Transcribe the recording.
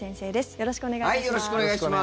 よろしくお願いします。